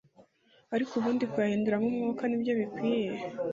ariko ubundi kuyahinduramo umwuka ni byo bikwiriye